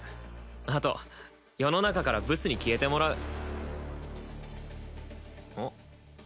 あと世の中からブスに消えてもらううん？